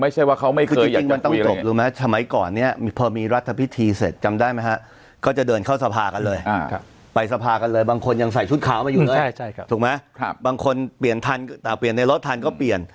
จำได้ไหมคะเขาจะเดินเข้าสภากันเลยไปสภากันเลย